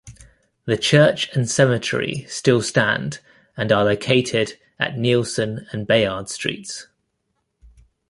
The church and cemetery still stand and are located at Neilson and Bayard Streets.